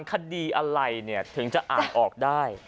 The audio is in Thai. คดีอะไรเนี่ยถึงจะอ่านออกได้